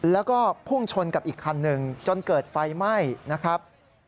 แล้วก็พุ่งชนกับอีกคันหนึ่งจนเกิดไฟไหม้นะครับ